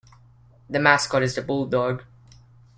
The mascot is the bulldog.